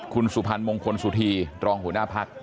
คุณสุพรรณมงคลสุธีรองหัวหน้าพัก